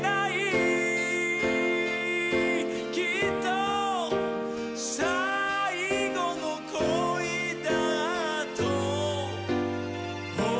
「きっと最後の恋だと思うから」